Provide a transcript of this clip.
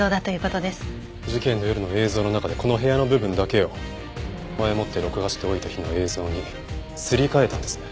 事件の夜の映像の中でこの部屋の部分だけを前もって録画しておいた日の映像にすり替えたんですね。